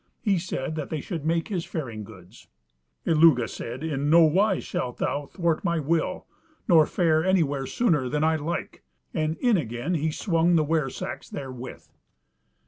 He said that they should make his faring goods. Illugi said: "In nowise shalt thou thwart my will, nor fare anywhere sooner than I like!" and in again he swung the ware sacks therewith.